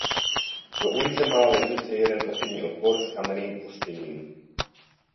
Do ulice má lednice jeden okenní otvor s kamenným ostěním.